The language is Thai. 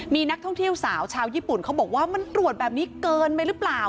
มีนักท่องเที่ยวสาวชาวญี่ปุ่นเขาบอกว่ามันตรวจแบบนี้เกินไปหรือเปล่า